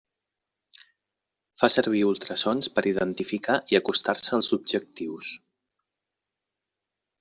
Fa servir ultrasons per identificar i acostar-se als objectius.